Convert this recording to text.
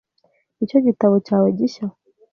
Nicyo gitabo cyawe gishya?